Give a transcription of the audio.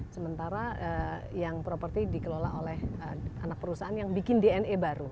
sementara yang properti dikelola oleh anak perusahaan yang bikin dna baru